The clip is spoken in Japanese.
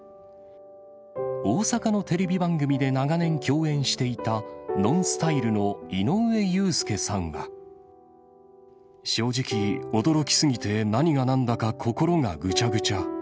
大阪のテレビ番組で長年共演していた、ＮＯＮＳＴＹＬＥの井上正直、驚きすぎて何がなんだか心がぐちゃぐちゃ。